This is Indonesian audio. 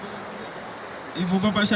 apakah itu bahkan untuk kita saja